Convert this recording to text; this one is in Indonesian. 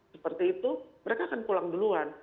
seperti itu mereka akan pulang duluan